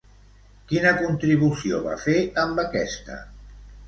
Quina contribució va fer amb aquesta?